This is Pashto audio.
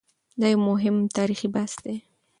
دا یو مهم تاریخي بحث دی.